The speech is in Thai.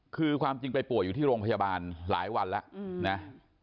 คือความจริงไปป่วยอยู่ที่โรงพยาบาลหลายวันแล้วนะ